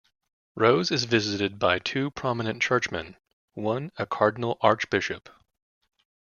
Rose is visited by two prominent churchmen, one a Cardinal Archbishop.